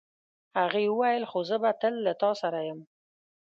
هغې وویل خو زه به تل له تا سره یم.